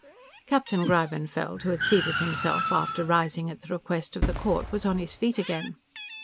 Captain Greibenfeld, who had seated himself after rising at the request of the court, was on his feet again.